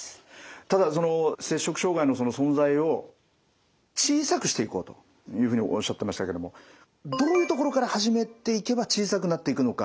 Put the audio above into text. ただ摂食障害の存在を小さくしていこうというふうにおっしゃってましたけどもどういうところから始めていけば小さくなっていくのか。